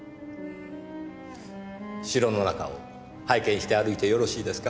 城の中を拝見して歩いてよろしいですか？